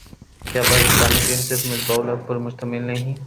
کہ پاکستانی ٹیم صرف مصباح الحق پر مشتمل نہیں